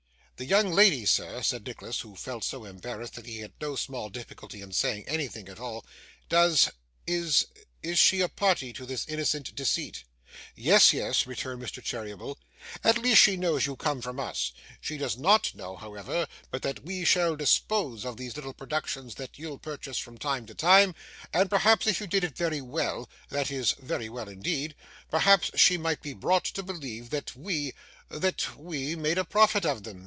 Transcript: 'The young lady, sir,' said Nicholas, who felt so embarrassed that he had no small difficulty in saying anything at all 'Does is is she a party to this innocent deceit?' 'Yes, yes,' returned Mr. Cheeryble; 'at least she knows you come from us; she does NOT know, however, but that we shall dispose of these little productions that you'll purchase from time to time; and, perhaps, if you did it very well (that is, VERY well indeed), perhaps she might be brought to believe that we that we made a profit of them.